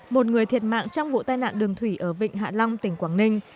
một người thiệt mạng trong vụ tai nạn đường thủy ở vịnh hạ long tỉnh quảng ninh